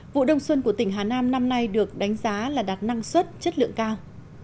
vụ đông xuân của tỉnh hà nam năm nay được đánh giá là đạt năng suất chất lượng cao